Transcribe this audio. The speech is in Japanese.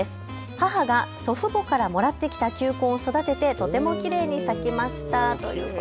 母が祖父母からもらってきた球根を育ててとてもきれいに咲きました。